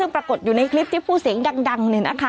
ปรากฏอยู่ในคลิปที่พูดเสียงดัง